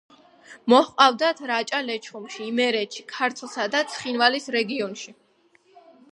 მოჰყავდათ რაჭა-ლეჩხუმში, იმერეთში, ქართლსა და ცხინვალის რეგიონში.